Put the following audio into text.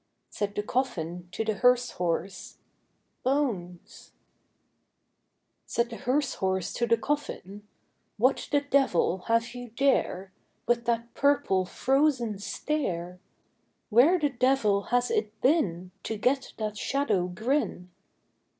Said the coffin to the hearse horse, "Bones!" Said the hearse horse to the coffin, "What the devil have you there, With that purple frozen stare? Where the devil has it been To get that shadow grin?"